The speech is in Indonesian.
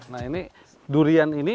nah ini durian ini